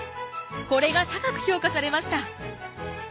これが高く評価されました。